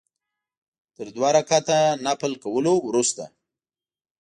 تر دوه رکعته نفل کولو وروسته.